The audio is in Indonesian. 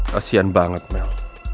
kasian banget mel